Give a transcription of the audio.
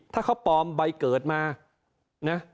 ถ้าเขาปลอมใบเกิดมานะ